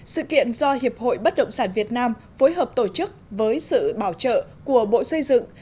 sự kiện do hiệp hội bất động sản việt nam phối hợp tổ chức với sự bảo trợ của bộ xây dựng